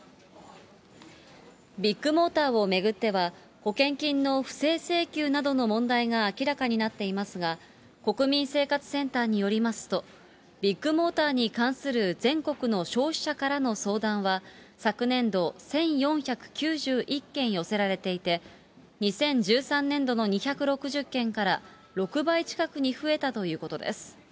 ビッグモーターを巡っては、保険金の不正請求などの問題が明らかになっていますが、国民生活センターによりますと、ビッグモーターに関する全国の消費者からの相談は、昨年度１４９１件寄せられていて、２０１３年度の２６０件から６倍近くに増えたということです。